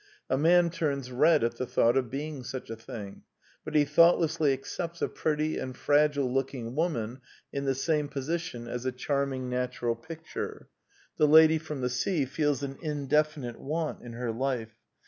A man turns red at the thought of being such a thing ; but he thoughtlessly accepts a pretty and fragile looking woman in the same position as a charming natural picture. The lady from the sea feels an indefinite want in her life.